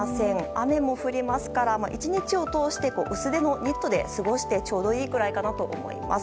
雨も降りますから１日を通して薄手のニットで過ごしてちょうどいいくらいかなと思います。